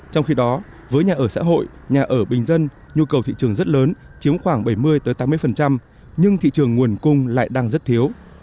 trong khi đó với nhà ở xã hội nhà ở bình dân nhu cầu thị trường rất lớn chiếm khoảng bảy mươi tám mươi nhưng thị trường nguồn cung lại đang rất thiếu